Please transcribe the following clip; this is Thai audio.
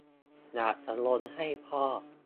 อยากจะลงให้พ่อ